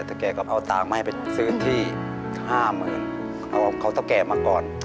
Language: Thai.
แต่แกก็เอาตังค์มาให้ไปซื้อที่ห้าหมื่นเอาเขาเท่าแก่มาก่อน